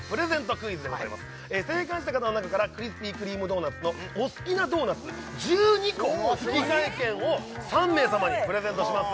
クイズでございます正解した方の中からクリスピー・クリーム・ドーナツのお好きなドーナツ１２個の引換券を３名様にプレゼントします